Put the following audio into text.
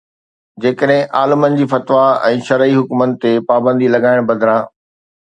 جيڪڏهن عالمن جي فتوائن ۽ شرعي حڪمن تي پابندي لڳائڻ بدران